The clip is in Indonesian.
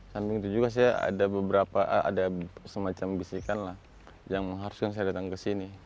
sambing itu juga ada semacam bisikan yang mengharuskan saya datang ke sini